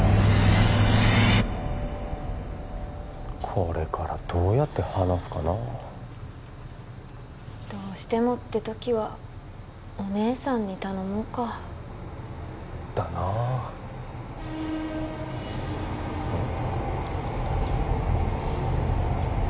これからどうやって話すかなどうしてもって時はお姉さんに頼もうかだなあおっ？